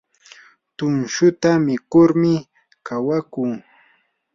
tumshuta mikurmi kawakuu.